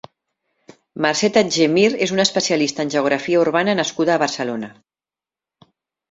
Mercè Tatjer Mir és una especialista en geografia urbana nascuda a Barcelona.